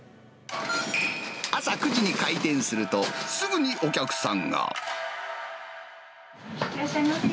朝９時に開店すると、すぐにお客さんが。